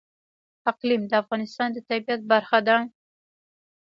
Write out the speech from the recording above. اقلیم د افغانستان د طبیعت برخه ده.